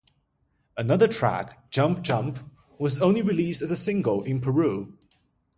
Another track, "Jump Jump", was only released as a single in Peru.